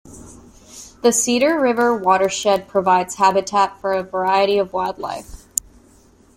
The Cedar River Watershed provides habitat for a variety of wildlife.